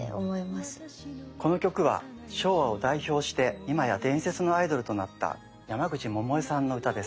この曲は昭和を代表して今や伝説のアイドルとなった山口百恵さんの歌です。